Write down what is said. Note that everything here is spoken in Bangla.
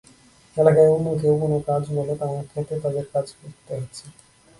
এলাকায় অন্য কোনো কাজ নেই বলে তামাকখেতে তাদের কাজ করতে হচ্ছে।